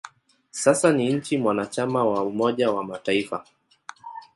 Sasa ni nchi mwanachama wa Umoja wa Mataifa.